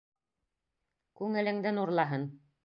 Күңелеңде нурлаһын.